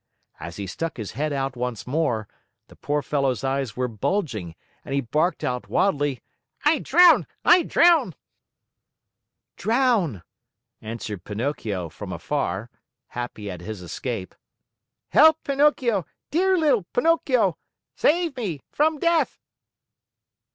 As he stuck his head out once more, the poor fellow's eyes were bulging and he barked out wildly, "I drown! I drown!" "Drown!" answered Pinocchio from afar, happy at his escape. "Help, Pinocchio, dear little Pinocchio! Save me from death!"